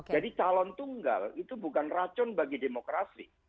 jadi calon tunggal itu bukan racun bagi demokrasi